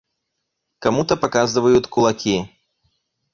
Кому-то показывают кулаки.